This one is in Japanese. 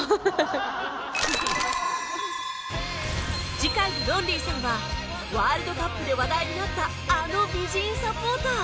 次回のロンリーさんはワールドカップで話題になったあの美人サポーター